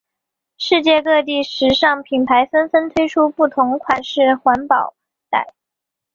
世界各地时尚品牌纷纷推出不同款式环保袋。